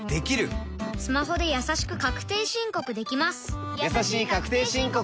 スマホでやさしく確定申告できます